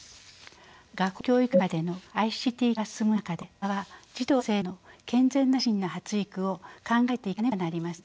学校教育現場でのＩＣＴ化が進む中で大人は児童生徒の健全な心身の発育を考えていかねばなりません。